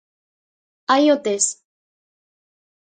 Aí o tes.